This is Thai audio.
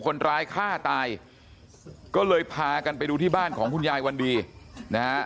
คนร้ายฆ่าตายก็เลยพากันไปดูที่บ้านของคุณยายวันดีนะฮะ